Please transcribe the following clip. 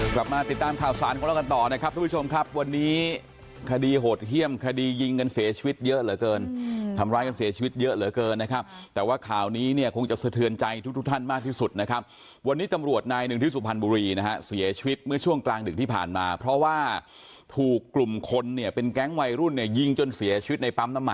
กลับมาติดตามข่าวสารของเรากันต่อนะครับทุกผู้ชมครับวันนี้คดีหดเขี้ยมคดียิงกันเสียชีวิตเยอะเหลือเกินทำร้ายกันเสียชีวิตเยอะเหลือเกินนะครับแต่ว่าข่าวนี้เนี่ยคงจะเสียชีวิตเยอะเหลือเกินนะครับแต่ว่าข่าวนี้เนี่ยคงจะเสียชีวิตเยอะเหลือเกินนะครับแต่ว่าข่าวนี้เนี่ยคงจะเสียชีวิตเยอะเห